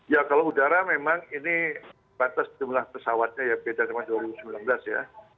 ya kalau udara memang ini batas jumlah pesawatnya ya beda sama dua ribu sembilan belas ya